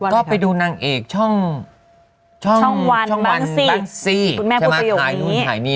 ก็ไปดูนางเอกช่องวันบ้างสิคุณแม่พูดประโยคนี้